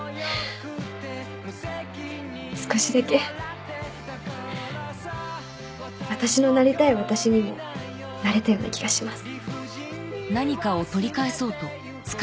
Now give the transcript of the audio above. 少しだけ私のなりたい私にもなれたような気がします。